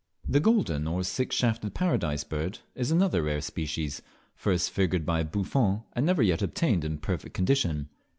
The Golden, or Six shafted, Paradise Bird, is another rare species, first figured by Buffon, and never yet obtained in perfect condition.